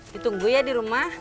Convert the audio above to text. ditunggu ya di rumah